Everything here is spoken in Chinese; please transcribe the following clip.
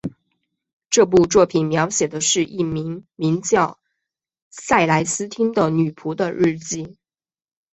这部作品描写的是一名名叫塞莱丝汀的女仆的日记。